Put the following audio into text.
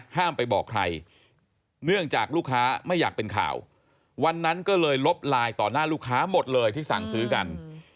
ไปบอกใครเนื่องจากลูกค้าไม่อยากเป็นข่าววันนั้นก็เลยลบไลน์ต่อหน้าลูกค้าหมดเลยที่สั่งซื้อกัน